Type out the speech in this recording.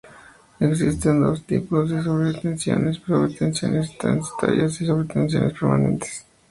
Existen dos tipos de sobretensiones: Sobretensiones transitorias y las Sobretensiones permanentes.